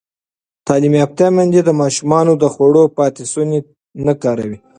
تعلیم یافته میندې د ماشومانو د خوړو پاتې شوني نه کاروي.